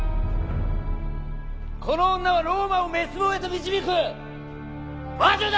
この女はローマを滅亡へと導く魔女だ！